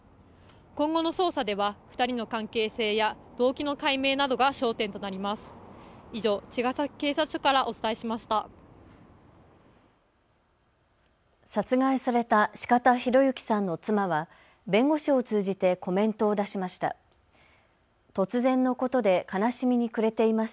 今後の捜査では２人の関係性や動機の解明などが焦点となります。